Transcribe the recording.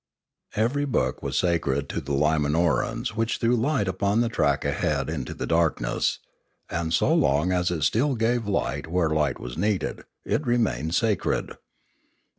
Every book was sacred to the Limanorans which threw light upon the track ahead into the darkness; and so long as it still gave light where light was needed, it remained sacred.